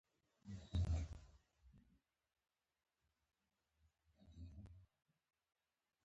د سترګو درد لپاره د چای کڅوړه وکاروئ